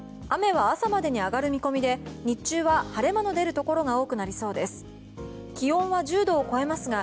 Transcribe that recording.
雨は朝までに上がる見込みで日中は晴れ間の出るところが多くなりそうです。